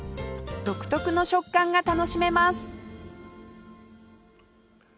独特の食感が楽しめます